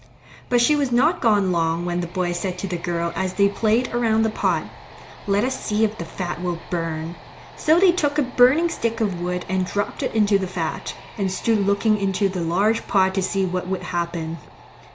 But she was not gone long when the boy said to the girl as they played around the pot, "Let us see if the fat will burn." So they took a burning stick of wood and dropped it into the fat, and stood looking into the large pot to see what would happen.